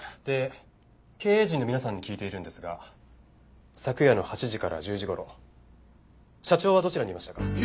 で経営陣の皆さんに聞いているんですが昨夜の８時から１０時頃社長はどちらにいましたか？